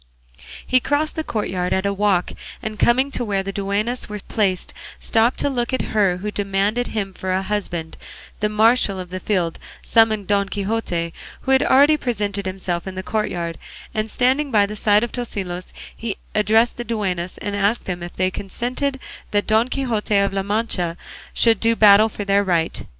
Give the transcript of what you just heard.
He crossed the courtyard at a walk, and coming to where the duennas were placed stopped to look at her who demanded him for a husband; the marshal of the field summoned Don Quixote, who had already presented himself in the courtyard, and standing by the side of Tosilos he addressed the duennas, and asked them if they consented that Don Quixote of La Mancha should do battle for their right.